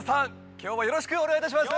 今日はよろしくお願いいたします！